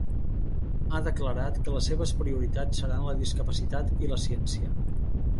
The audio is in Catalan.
Ha declarat que les seves prioritats seran la discapacitat i la ciència.